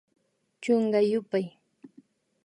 Chunka yupay